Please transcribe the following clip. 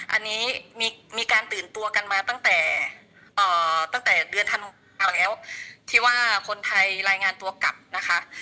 อันนี้มีการตื่นตัวกันมาตั้งแต่ตั้งแต่เดือนธันเอาแล้วที่ว่าคนไทยรายงานตัวกลับนะคะ